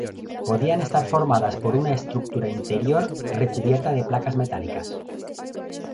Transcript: Podían estar formadas por una estructura interior recubierta de placas metálicas.